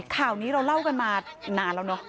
ข่าวนี้เราเล่ากันมานานแล้วเนอะ